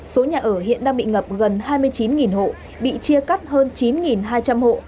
số nhà ở hiện đang bị ngập gần hai mươi chín hộ bị chia cắt hơn chín hai trăm linh hộ